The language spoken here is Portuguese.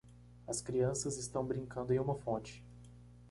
As crianças estão brincando em uma fonte.